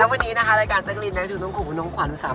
แล้ววันนี้รายการจังกริงนี้จึงต้องขอบคุณลงขวานอุตส่าห์มาเนอะ